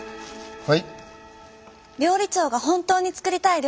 はい？